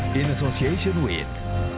di asosiasi wit